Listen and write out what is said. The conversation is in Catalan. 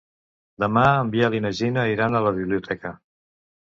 Demà en Biel i na Gina iran a la biblioteca.